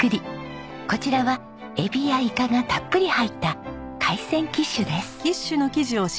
こちらはエビやイカがたっぷり入った海鮮キッシュです。